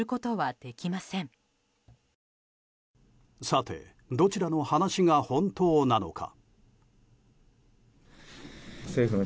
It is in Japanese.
さて、どちらの話が本当なのか。